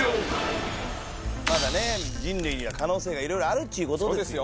まだ人類には可能性がいろいろあるっちゅうこと。